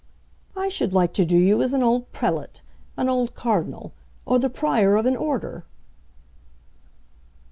"I should like to do you as an old prelate, an old cardinal, or the prior of an order."